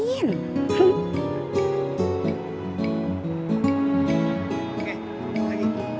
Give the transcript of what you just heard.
kita tunggu lagi